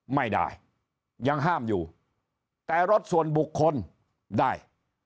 ไม่ได้ยังห้ามอยู่แต่รถส่วนบุคคลได้